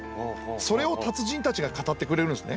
それを達人たちが語ってくれるんですね。